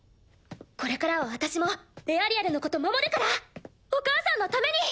これからは私もエアリアルのこと守るからお母さんのために。